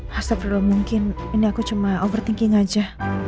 hasta perlu mungkin ini aku cuma overthinking aja